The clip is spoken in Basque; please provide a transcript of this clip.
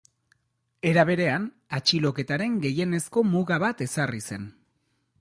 Era berean, atxiloketaren gehienezko muga bat ezarri zen.